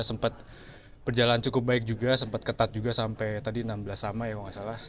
sempat berjalan cukup baik juga sempat ketat juga sampai tadi enam belas sama ya kalau nggak salah